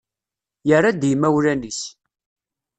Yerra-d i yimawlan-is.